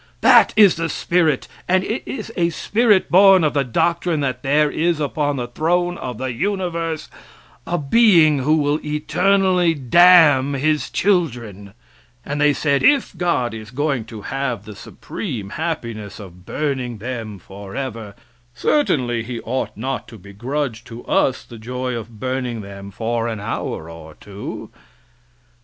That is the spirit, and it is a spirit born of the doctrine that there is upon the throne of the universe a being who will eternally damn his children, and they said: "If God is going to have the supreme happiness of burning them forever, certainly he ought not to begrudge to us the joy of burning them for an hour or two."